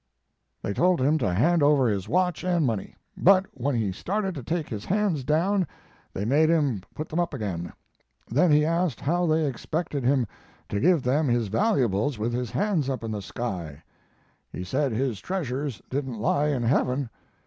"They told him to hand over his watch and money; but when he started to take his hands down they made him put them up again. Then he asked how they expected him to give them his valuables with his hands up in the sky. He said his treasures didn't lie in heaven.